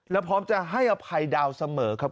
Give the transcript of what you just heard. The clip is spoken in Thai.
แล้วพร้อมจะให้อภัยดาวเสมอครับ